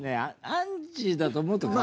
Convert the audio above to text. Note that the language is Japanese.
アンジーだと思うと可愛いね。